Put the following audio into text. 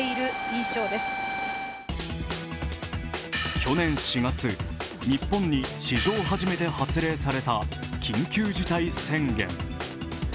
去年４月、日本に史上初めて発令された緊急事態宣言。